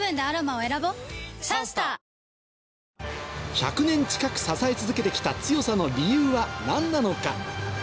１００年近く支え続けて来た強さの理由は何なのか？